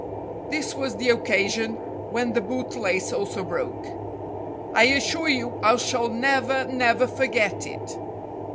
This was the occasion when the bootlace also broke. "I assure you I shall never, never forget it."